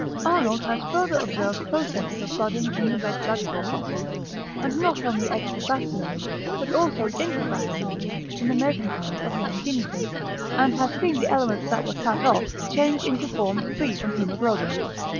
Arnold has further observed processes of budding in the red blood corpuscles not only extravascularly but also intravascularly in the mesentery of young guinea pigs, and has seen the elements that were cut off change into forms free from hæmoglobin.